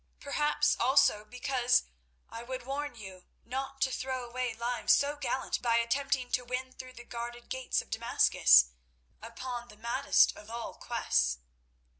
Perhaps also because I would warn you not to throw away lives so gallant by attempting to win through the guarded gates of Damascus upon the maddest of all quests.